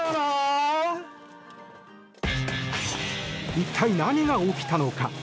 一体、何が起きたのか。